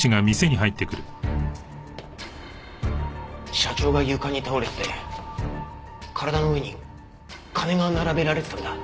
社長が床に倒れてて体の上に金が並べられてたんだ。